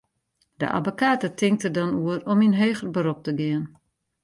De abbekate tinkt der dan oer om yn heger berop te gean.